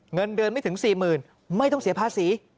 เงินเดือนไม่ถึง๔๐๐๐ไม่ต้องเสียภาษี